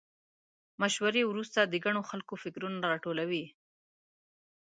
مشورې وروسته د ګڼو خلکو فکرونه راټول وي.